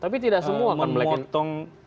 tapi tidak semua kan